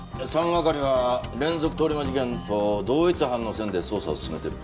３係は連続通り魔事件と同一犯の線で捜査を進めている。